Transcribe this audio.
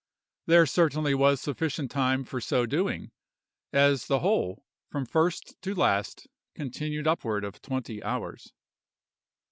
There certainly was sufficient time for so doing, as the whole, from first to last, continued upward of twenty hours.